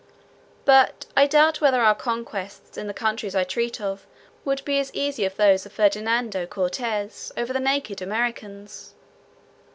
But I doubt whether our conquests in the countries I treat of would be as easy as those of Ferdinando Cortez over the naked Americans.